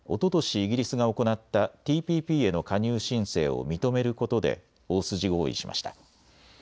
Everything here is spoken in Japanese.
イギリスが行ったＴＰＰへの加入申請を認めることで大筋合意しました。